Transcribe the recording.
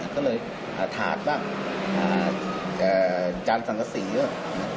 ก็เลยถาดบ้างจานสังกะสีเนี่ย